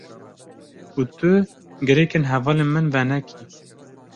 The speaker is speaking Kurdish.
Û tu girêkên hevalên min venekî.